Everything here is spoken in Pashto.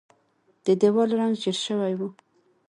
د دیوال رنګ ژیړ شوی و.